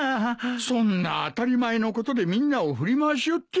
そんな当たり前のことでみんなを振り回しよって。